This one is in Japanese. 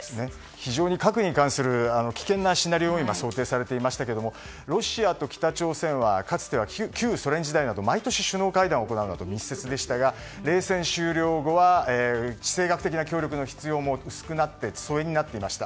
非常に核に関する危険なシナリオが今想定されていましたがロシアと北朝鮮はかつては旧ソ連時代など毎年、首脳会談を行うなど密接でしたが冷戦終了後は地政学的協力の必要も薄くなって疎遠になっていました。